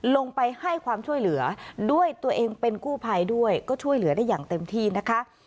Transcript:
ลงไปให้ความช่วยเหลือด้วยตัวเองเป็นกู้ภัยด้วยก็ช่วยเหลือได้อย่างเต็มที่นะคะ